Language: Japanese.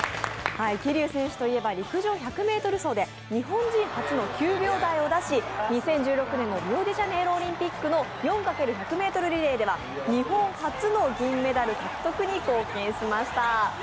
桐生選手といえば陸上１００ｍ走で日本人初の９秒台を出し、２０１６年のリオデジャネイロオリンピックの４×１００ｍリレーでは日本初の銀メダル獲得に貢献しました。